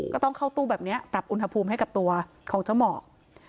ก็ต้องเข้าตู้แบบนี้ปรับอุณหภูมิให้กับตัวของเจ้าหมอก